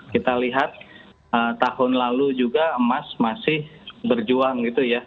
kita lihat tahun lalu juga emas masih berjuang gitu ya